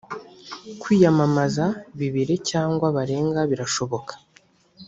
kwiyamamaza bibiri cyangwa barenga birashoboka